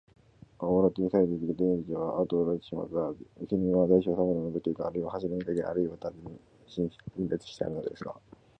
顔を洗って、店へ出てきた店員たちは、アッとおどろいてしまいました。店には大小さまざまの時計が、あるいは柱にかけ、あるいは棚に陳列してあるのですが、